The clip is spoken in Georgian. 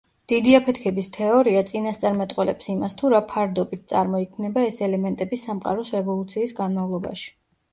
დიდი აფეთქების თეორია წინასწარმეტყველებს იმას თუ რა ფარდობით წარმოიქმნება ეს ელემენტები სამყაროს ევოლუციის განმავლობაში.